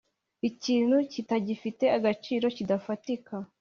ikintu kitagifite agaciro kidafatika